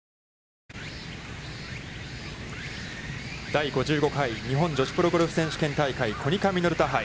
第５５回日本女子プロゴルフ選手権大会コニカミノルタ杯。